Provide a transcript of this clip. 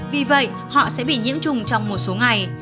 vì vậy họ sẽ bị nhiễm trùng trong một số ngày